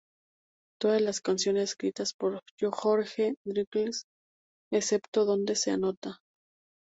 Todas las canciones escritas por Jorge Drexler excepto donde se anota.